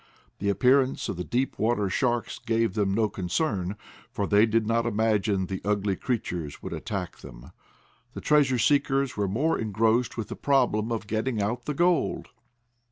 The appearance of the deep water sharks gave them no concern, for they did not imagine the ugly creatures would attack them. The treasure seekers were more engrossed with the problem of getting out the gold.